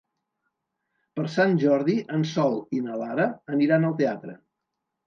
Per Sant Jordi en Sol i na Lara aniran al teatre.